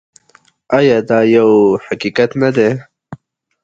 آیا دا یو حقیقت نه دی؟